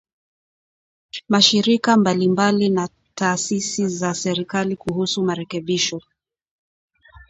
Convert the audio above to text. mashirika mbalimbali na taasisi za serikali kuhusu marekebisho